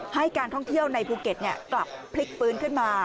ให้การท่องเที่ยวในภูเก็ตกลับพลิกฟื้นขึ้นมา